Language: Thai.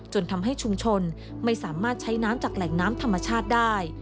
จนทำให้ชุมชนไม่สามารถใช้น้ำจากแหล่งน้ำธรรมชาติได้